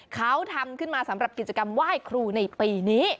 เขาทำขึ้นมาสำหรับกิจกรรมไหว้ครูในปีนี้